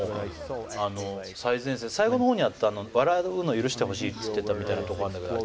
最後の方にあったあの笑うのを許してほしいっつってたみたいなとこあるんだけどあれ